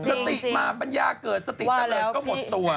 สติมามันยากเกิดสติสะเติดก็หมดตัว